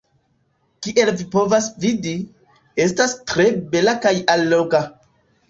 Kiel vi povas vidi, estas tre bela kaj alloga.